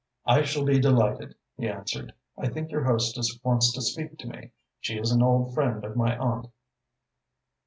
"I shall be delighted," he answered. "I think your hostess wants to speak to me. She is an old friend of my aunt."